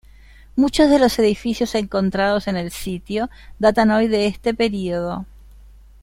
Muchos de los edificios encontrados en el sitio datan hoy de este período.